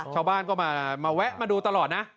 ชาวบ้านก็มาแวะมาดูตลอดนะ